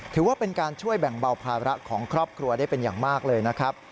ถือว่าเป็นการช่วยแบ่งเบาภาระของครอบครัวได้เป็นอย่างมากเลยนะครับ